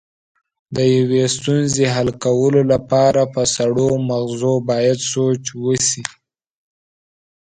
د یوې ستونزې حل کولو لپاره په سړو مغزو باید سوچ وشي.